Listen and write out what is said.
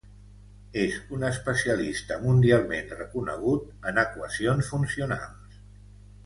És un especialista mundialment reconegut en equacions funcionals.